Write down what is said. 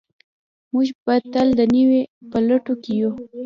موږ به تل د نوي په لټولو کې یو.